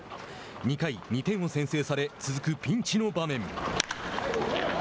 ２回、２点を先制され続くピンチの場面。